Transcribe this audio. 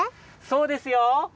そうですよ。